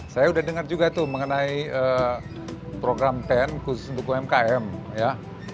saya udah dengar juga tuh mengenai program pen khusus untuk umkm ya